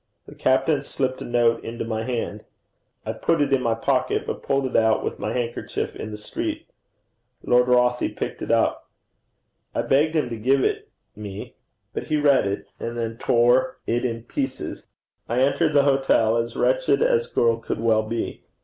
The captain slipped a note into my hand. I put it in my pocket, but pulled it out with my handkerchief in the street. Lord Rothie picked it up. I begged him to give it me, but he read it, and then tore it in pieces. I entered the hotel, as wretched as girl could well be.